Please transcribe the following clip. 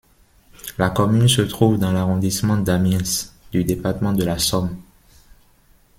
La commune se trouve dans l'arrondissement d'Amiens du département de la Somme.